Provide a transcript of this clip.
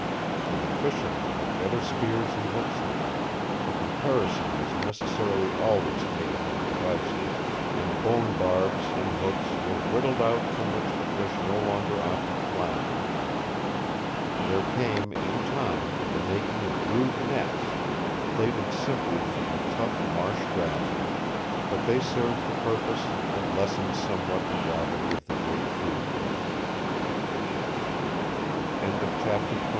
And the fishermen had better spears and hooks now, for comparison was necessarily always made among devices, and bone barbs and hooks were whittled out from which the fish no longer often floundered. There came, in time, the making of rude nets, plaited simply from the tough marsh grasses, but they served the purpose and lessened somewhat the gravity of the great food question. CHAPTER XXVI.